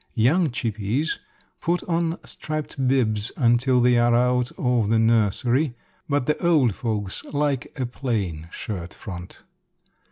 Young chippies put on striped bibs until they are out of the nursery, but the old folks like a plain shirt front.